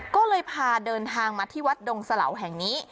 ก็เลยพาเดินทางมาที่วัดดงสลาวแห่งนี้